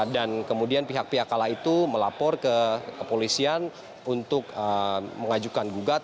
dan kemudian pihak pihak kalah itu melapor ke polisian untuk mengajukan